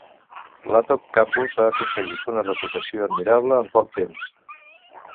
L'Attock Campus ha aconseguit una reputació admirable en poc temps.